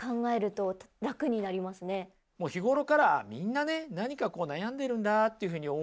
日頃からみんなね何か悩んでいるんだっていうふうに思えばね。